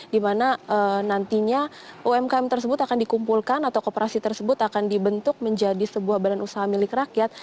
di mana nantinya umkm tersebut akan dikumpulkan atau kooperasi tersebut akan dibentuk menjadi sebuah badan usaha milik rakyat